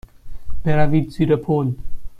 بروید زیر پل.